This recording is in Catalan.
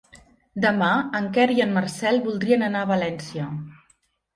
Demà en Quer i en Marcel voldrien anar a València.